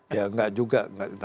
ya gak juga